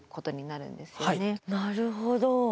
なるほど。